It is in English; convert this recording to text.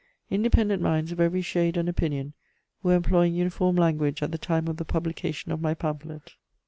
Independent minds of every shade and opinion were employing uniform language at the time of the publication of my pamphlet.